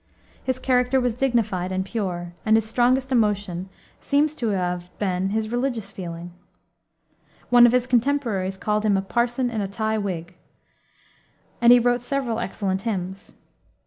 His character was dignified and pure, and his strongest emotion seems to have been his religious feeling. One of his contemporaries called him "a parson in a tie wig," and he wrote several excellent hymns.